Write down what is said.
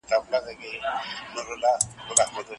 حیات الله په خپل پخواني ژوند کې د پیسو په ګټلو پسې و.